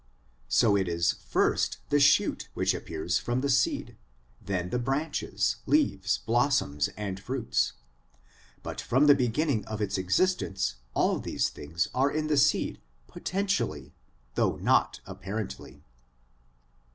So it is first the shoot which appears from the seed, then the branches, leaves, blossoms, and fruits ; but from the beginning of its existence all these things are in the seed, potentially, though not apparently.